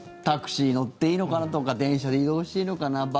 タクシー乗っていいのかなとか電車で移動していいのかな